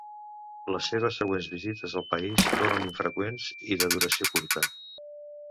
Les seves següents visites al país foren infreqüents i de duració curta.